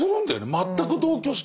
全く同居して。